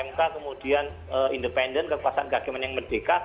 mk kemudian independen kekuasaan kehakiman yang merdeka